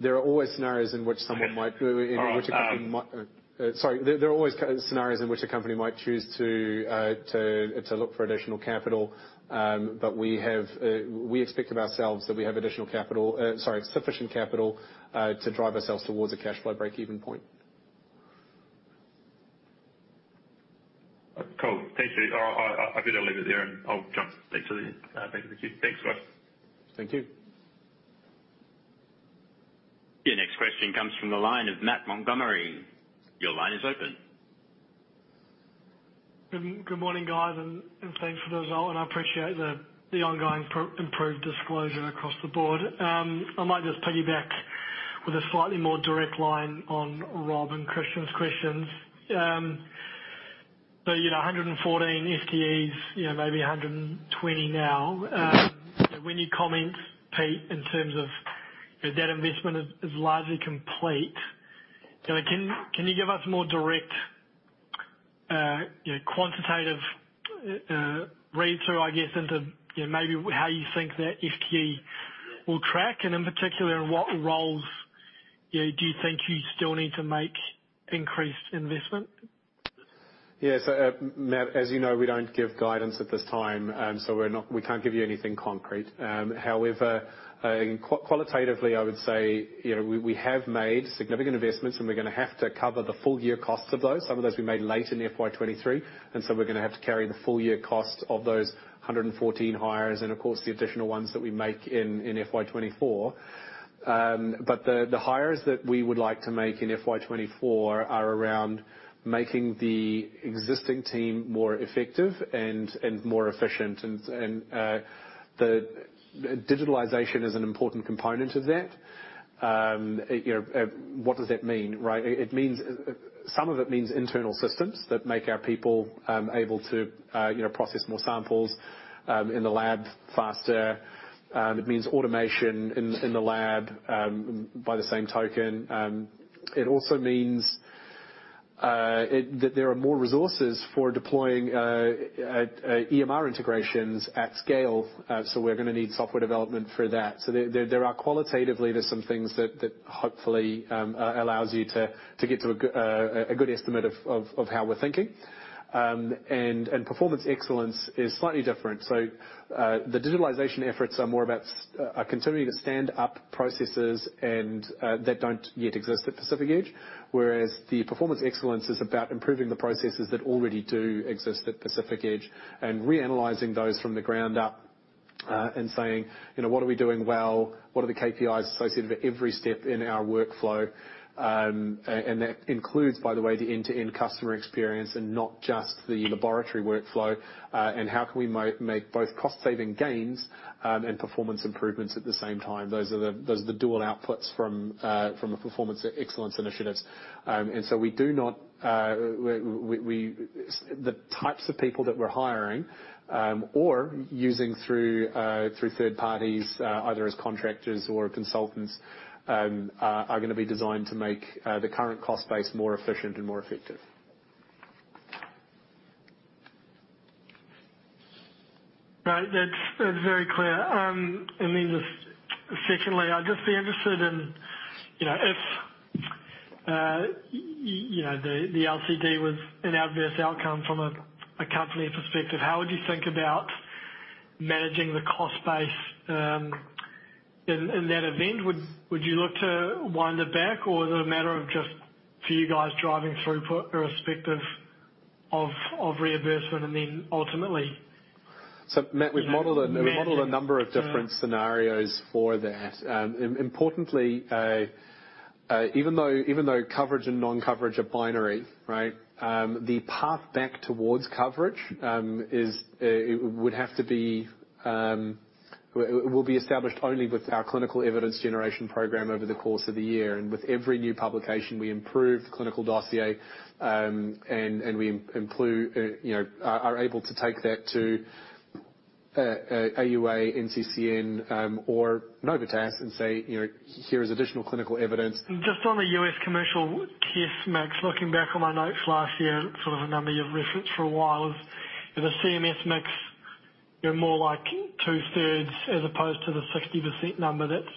There are always scenarios in which someone might. Okay. Sorry. There are always kind of scenarios in which a company might choose to look for additional capital. We expect of ourselves that we have additional capital. Sorry, sufficient capital to drive ourselves towards a cash flow break-even point. Cool. Thank you. I better leave it there, and I'll jump back to the back to the queue. Thanks, guys. Thank you. Your next question comes from the line of Matt Montgomerie. Your line is open. Good morning, guys, and thanks for the result. I appreciate the ongoing improved disclosure across the board. I might just piggyback with a slightly more direct line on Rob and Christian's questions. You know, 114 FTEs, you know, maybe 120 now. When you comment, Pete, in terms of that investment is largely complete, you know, can you give us more direct, you know, quantitative read-through, I guess, into, you know, maybe how you think that FTE will track and in particular, in what roles, you know, do you think you still need to make increased investment? Yeah. Matt, as you know, we don't give guidance at this time. We can't give you anything concrete. Qualitatively, I would say, you know, we have made significant investments, and we're gonna have to cover the full-year costs of those. Some of those we made late in FY 2023, and so we're gonna have to carry the full-year cost of those 114 hires and of course, the additional ones that we make in FY 2024. The hires that we would like to make in FY 2024 are around making the existing team more effective and more efficient. The digitalization is an important component of that. You know, what does it mean, right? It means some of it means internal systems that make our people able to, you know, process more samples in the lab faster. It means automation in the lab by the same token. It also means that there are more resources for deploying EMR integrations at scale. We're gonna need software development for that. There are qualitatively, there's some things that hopefully allows you to get to a good estimate of how we're thinking. And performance excellence is slightly different. The digitalization efforts are more about are continuing to stand up processes and that don't yet exist at Pacific Edge, whereas the performance excellence is about improving the processes that already do exist at Pacific Edge and reanalyzing those from the ground up and saying, you know, what are we doing well? What are the KPIs associated with every step in our workflow? That includes, by the way, the end-to-end customer experience and not just the laboratory workflow. How can we make both cost-saving gains and performance improvements at the same time? Those are the dual outputs from a performance excellence initiatives. We do not, we the types of people that we're hiring, or using through third parties, either as contractors or consultants, are going to be designed to make the current cost base more efficient and more effective. Right. That's, that's very clear. Then just secondly, I'd just be interested in, you know, if you know, the LCD was an adverse outcome from a company perspective, how would you think about managing the cost base in that event? Would you look to wind it back, or is it a matter of just for you guys driving through for irrespective of reimbursement? Matt, we've modeled a number of different scenarios for that. Importantly, even though coverage and non-coverage are binary, right? The path back towards coverage is would have to be will be established only with our clinical evidence generation program over the course of the year. With every new publication, we improve the Clinical Dossier, and we improve, you know, are able to take that to AUA, NCCN, or Novitas and say, you know, "Here is additional clinical evidence. Just on the U.S. commercial test mix, looking back on my notes last year, sort of a number you've referenced for a while is a CMS mix, you know, more like 2/3 as opposed to the 60% number that's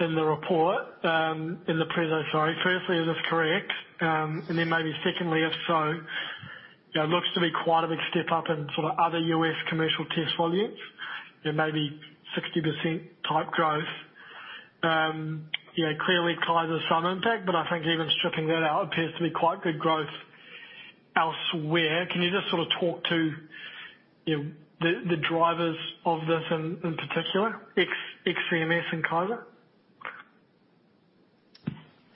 in the report, in the presentation. Sorry. Firstly, is this correct? Then maybe secondly, if so, you know, it looks to be quite a big step up in sort of other U.S. commercial test volumes. You know, maybe 60% type growth. You know, clearly Kaiser's some impact, but I think even stripping that out appears to be quite good growth elsewhere. Can you just sort of talk to, you know, the drivers of this in particular, ex CMS and Kaiser?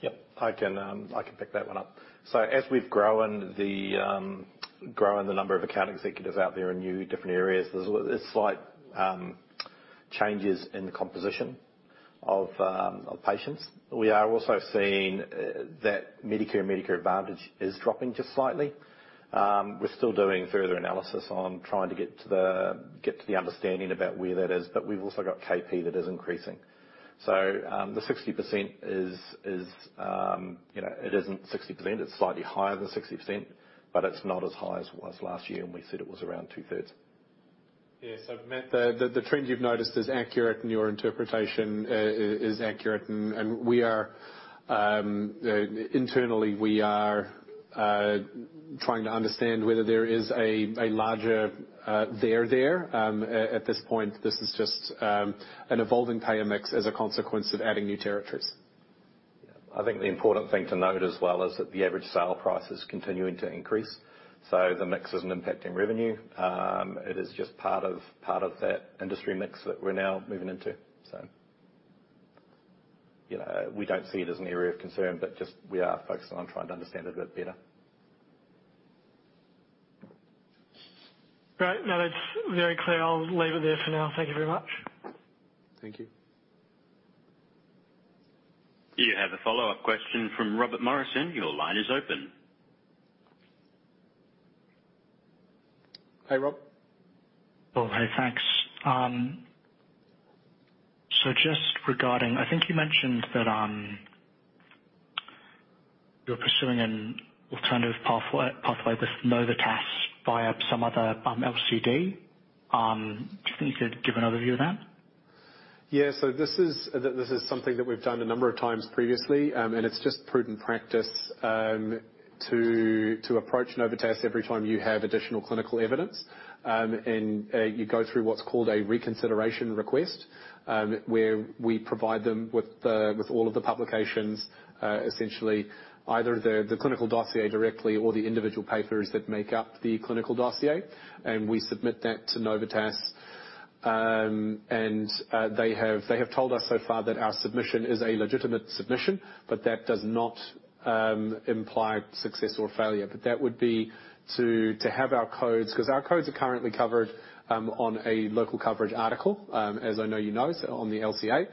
Yep, I can, I can pick that one up. As we've grown the, grown the number of account executives out there in new different areas, there's a slight, changes in the composition of patients. We are also seeing that Medicare Advantage is dropping just slightly. We're still doing further analysis on trying to get to the, get to the understanding about where that is, but we've also got KP that is increasing. The 60% is, you know, it isn't 60%. It's slightly higher than 60%, but it's not as high as it was last year, and we said it was around 2/3. Yeah. Matt, the trend you've noticed is accurate and your interpretation is accurate. We are internally we are trying to understand whether there is a larger there. At this point, this is just an evolving payer mix as a consequence of adding new territories. I think the important thing to note as well is that the average sale price is continuing to increase, so the mix isn't impacting revenue. It is just part of that industry mix that we're now moving into. You know, we don't see it as an area of concern, but just we are focusing on trying to understand it a bit better. Great. No, that's very clear. I'll leave it there for now. Thank you very much. Thank you. You have a follow-up question from Robert Morrison. Your line is open. Hey, Rob. Oh, hey, thanks. Just regarding, I think you mentioned that, you're pursuing an alternative pathway with Novitas via some other, LCD. Do you think you could give an overview of that? This is something that we've done a number of times previously. And it's just prudent practice to approach Novitas every time you have additional clinical evidence. And you go through what's called a reconsideration request, where we provide them with all of the publications, essentially either the Clinical Dossier directly or the individual papers that make up the Clinical Dossier, and we submit that to Novitas. And they have told us so far that our submission is a legitimate submission, but that does not imply success or failure. That would be to have our codes, 'cause our codes are currently covered on a local coverage article, as I know you know, so on the LCA.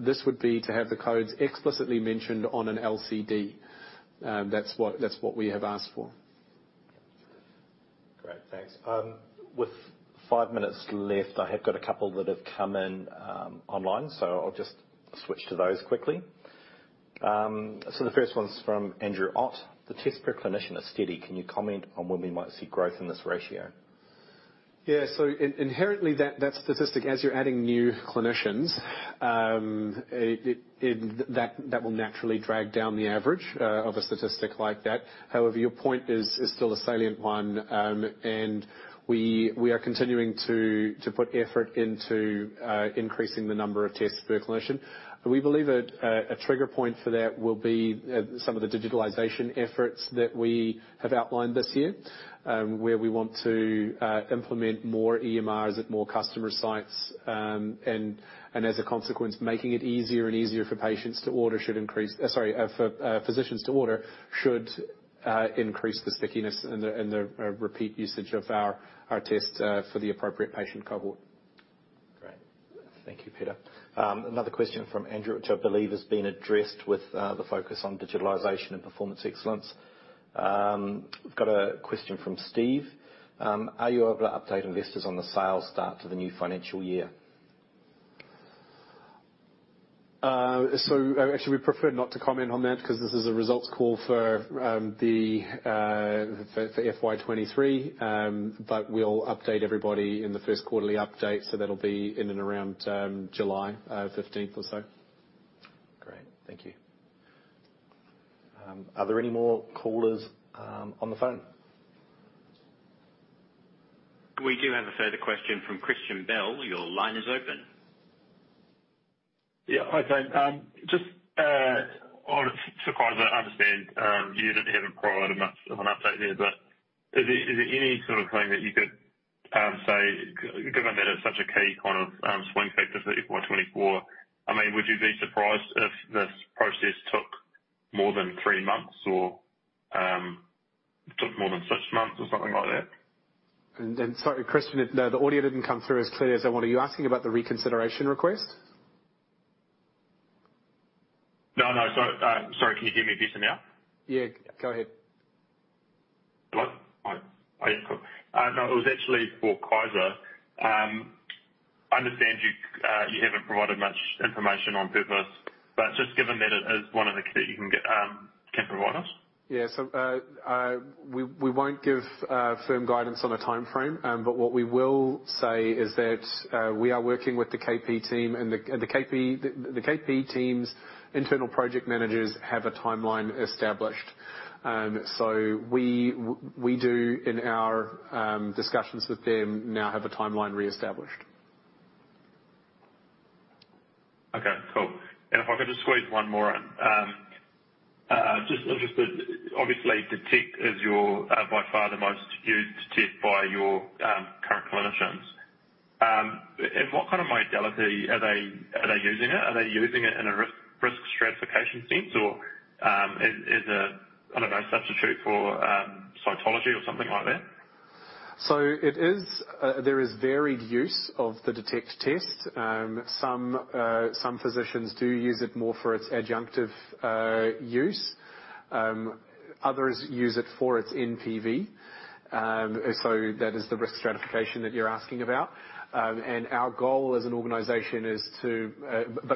This would be to have the codes explicitly mentioned on an LCD. That's what we have asked for. Great. Thanks. With five minutes left, I have got a couple that have come in, online, so I'll just switch to those quickly. The first one's from [Andrew Ott]. The test per clinician is steady. Can you comment on when we might see growth in this ratio? Inherently, that statistic, as you're adding new clinicians, that will naturally drag down the average of a statistic like that. However, your point is still a salient one. We are continuing to put effort into increasing the number of tests per clinician. We believe a trigger point for that will be some of the digitalization efforts that we have outlined this year, where we want to implement more EMRs at more customer sites. As a consequence, making it easier and easier for patients to order should increase. Sorry, for physicians to order should increase the stickiness and the repeat usage of our tests for the appropriate patient cohort. Great. Thank you, Peter. Another question from Andrew, which I believe has been addressed with the focus on digitalization and performance excellence. Got a question from Steve. Are you able to update investors on the sales start to the new financial year? Actually, we prefer not to comment on that because this is a results call for the FY 2023. We'll update everybody in the first quarterly update, so that'll be in and around July 15th or so. Great. Thank you. Are there any more callers on the phone? We do have a further question from Christian Bell. Your line is open. Yeah. Hi, guys. just on to Kaiser, I understand, you didn't have a prior enough of an update there, but is there any sort of thing that you could, say given that it's such a key kind of, swing factor for FY 2024? I mean, would you be surprised if this process took more than three months or, took more than six months or something like that? Sorry, Christian, the audio didn't come through as clearly as I wanted. Are you asking about the reconsideration request? No, no. Sorry, can you hear me better now? Yeah. Go ahead. Hello. Hi. Oh, yeah, cool. No, it was actually for Kaiser. I understand you haven't provided much information on purpose, but just given that it is one of the key you can get, can provide us. We won't give firm guidance on a timeframe. What we will say is that we are working with the KP team, and the KP team's internal project managers have a timeline established. We do in our discussions with them now have a timeline reestablished. Okay, cool. If I could just squeeze one more in. Just interested, obviously Detect is your, by far the most used test by your current clinicians. In what kind of modality are they using it? Are they using it in a risk stratification sense or, as a, I don't know, substitute for cytology or something like that? It is. There is varied use of the Detect test. Some physicians do use it more for its adjunctive use. Others use it for its NPV. That is the risk stratification that you're asking about. Our goal as an organization is to,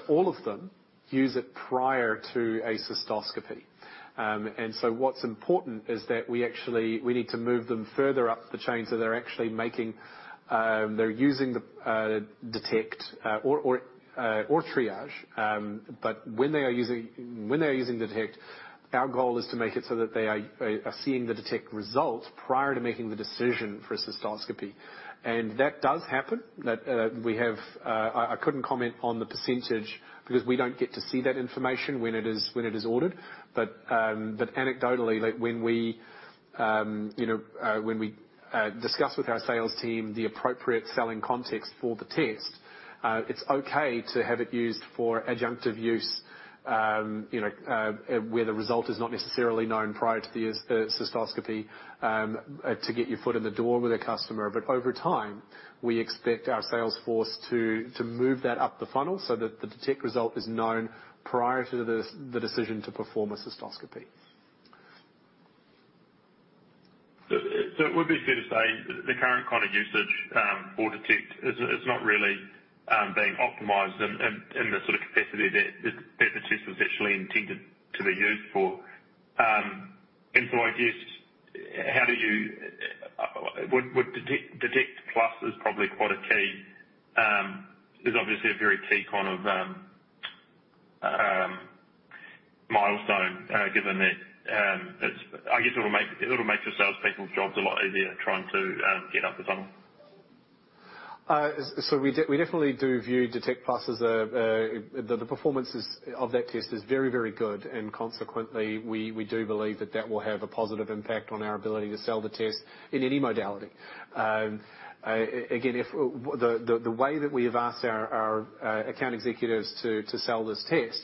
all of them use it prior to a cystoscopy. What's important is that we actually, we need to move them further up the chain, so they're actually making, they're using the Detect, or Triage. When they are using, when they're using Detect, our goal is to make it so that they are seeing the Detect results prior to making the decision for a cystoscopy. That does happen. That, we have. I couldn't comment on the percentage because we don't get to see that information when it is ordered. Anecdotally, like when we, you know, when we discuss with our sales team the appropriate selling context for the test, it's okay to have it used for adjunctive use, you know, where the result is not necessarily known prior to the cystoscopy, to get your foot in the door with a customer. Over time, we expect our sales force to move that up the funnel so that the Detect result is known prior to the decision to perform a cystoscopy. It would be fair to say the current kind of usage for Detect is not really being optimized in the sort of capacity that the test was actually intended to be used for. I guess, how do you, would Detect+ is probably quite a key, is obviously a very key kind of milestone, given that I guess it'll make your salespeople's jobs a lot easier trying to get up the tunnel. We definitely do view Detect+. The performances of that test is very, very good, consequently, we do believe that that will have a positive impact on our ability to sell the test in any modality. Again, The way that we have asked our account executives to sell this test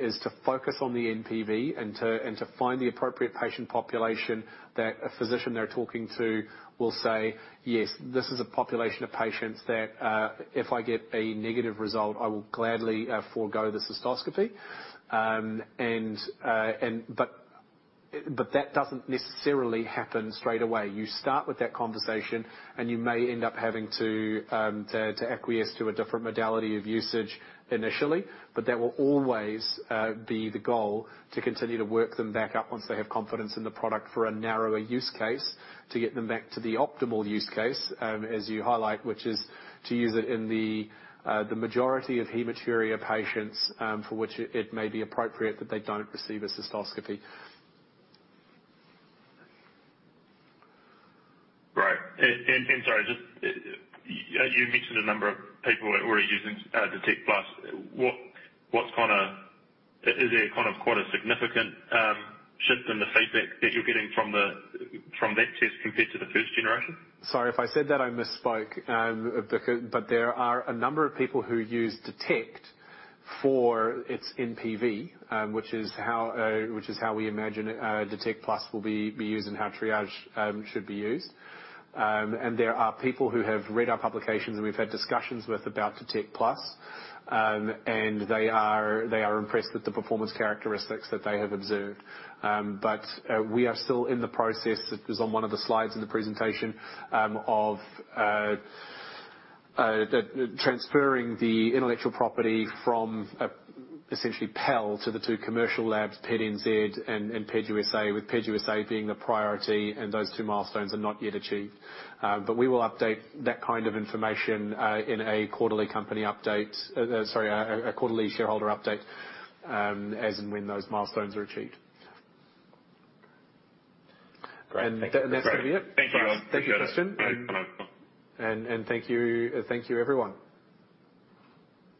is to focus on the NPV and to find the appropriate patient population that a physician they're talking to will say, "Yes, this is a population of patients that if I get a negative result, I will gladly forego the cystoscopy." But that doesn't necessarily happen straight away. You start with that conversation, you may end up having to acquiesce to a different modality of usage initially. That will always be the goal to continue to work them back up once they have confidence in the product for a narrower use case, to get them back to the optimal use case, as you highlight, which is to use it in the majority of hematuria patients, for which it may be appropriate that they don't receive a cystoscopy. Right. Sorry, just, you mentioned a number of people already using Detect+. Is there kind of quite a significant shift in the feedback that you're getting from that test compared to the first generation? Sorry, if I said that, I misspoke. There are a number of people who use Detect for its NPV, which is how we imagine Detect+ will be used and how Triage should be used. There are people who have read our publications, and we've had discussions with about Detect+. They are impressed with the performance characteristics that they have observed. We are still in the process, it was on one of the slides in the presentation, of transferring the intellectual property from essentially [PED] to the two commercial labs, PEDNZ and PEDUSA, with PEDUSA being the priority, and those two milestones are not yet achieved. We will update that kind of information, in a quarterly company update, sorry, a quarterly shareholder update, as and when those milestones are achieved. Great. Thank you. That's gonna be it. Thank you. Thank you, Christian. Bye-bye. Thank you, everyone.